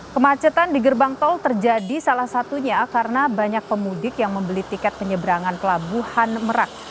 kemacetan di gerbang tol terjadi salah satunya karena banyak pemudik yang membeli tiket penyeberangan pelabuhan merak